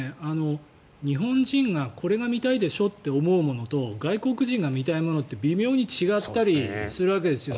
日本人がこれが見たいでしょって思うものと外国人が見たいものって微妙に違ったりするわけですよね。